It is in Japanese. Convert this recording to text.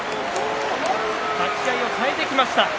立ち合いを変えてきました。